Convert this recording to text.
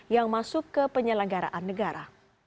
yang masuk ke penyelenggaraan negara